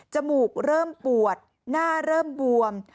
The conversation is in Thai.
มูกเริ่มปวดหน้าเริ่มบวม